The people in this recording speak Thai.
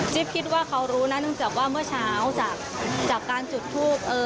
คิดว่าเขารู้นะเนื่องจากว่าเมื่อเช้าจากการจุดทูป